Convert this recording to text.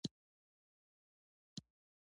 د خوړو د متوازن رژیم ساتل د صحت لپاره مهم دی.